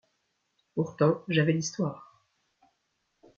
Pourtant j’avais l’histoire.